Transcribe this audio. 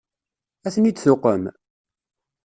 Ad ten-id-tuqem?